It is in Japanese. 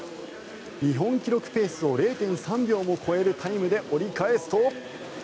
日本記録ペースを０．３秒も超えるタイムで折り返すと。